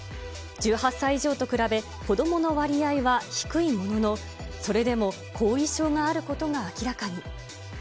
１８歳以上と比べ、子どもの割合は低いものの、それでも後遺症があることが明らかに。